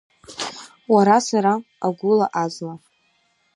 Уара, сара, агәыла-азла.